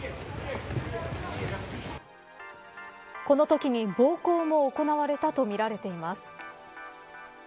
このときに暴行も行われたとみられています。